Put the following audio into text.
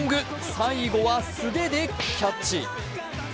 最後は素手でキャッチ。